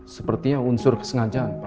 sepertinya unsur kesengajaan pak